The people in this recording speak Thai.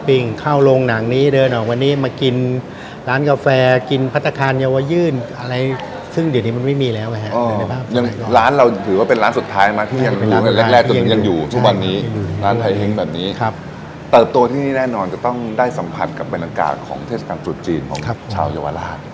พี่อาจรัติและจับมาซียาวลาดเป็นยังไงบ้างครับผม